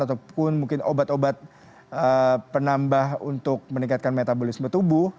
ataupun mungkin obat obat penambah untuk meningkatkan metabolisme tubuh